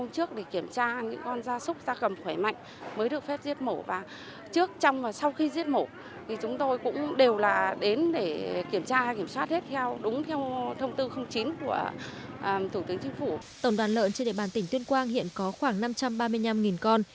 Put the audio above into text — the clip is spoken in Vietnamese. tổng đoàn lợn trên địa bàn tỉnh tuyên quang hiện có khoảng năm trăm ba mươi năm con